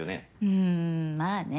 うんまあね。